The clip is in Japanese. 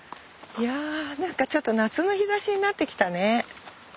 いや何かちょっと夏の日ざしになってきたね